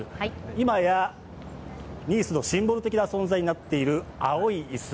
今やニースのシンボル的な存在になっている青い椅子。